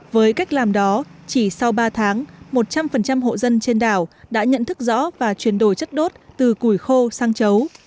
với cách làm đó chỉ sau ba tháng một trăm linh hộ dân trên đảo đã nhận thức rõ và chuyển đổi chất đốt từ củi khô sang chấu